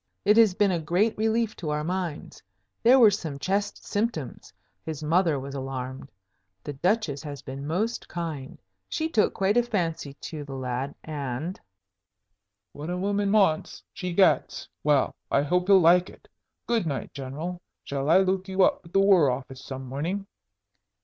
"It has been a great relief to our minds. There were some chest symptoms; his mother was alarmed. The Duchess has been most kind; she took quite a fancy to the lad, and " "What a woman wants she gets. Well, I hope he'll like it. Good night, General. Shall I look you up at the War Office some morning?"